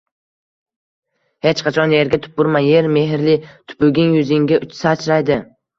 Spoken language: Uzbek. Hech qachon Yerga tupurma! Yer mehrli: tupuging yuzingga sachraydi.